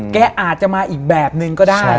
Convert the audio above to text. แกอาจจะมาอีกแบบนึงก็ได้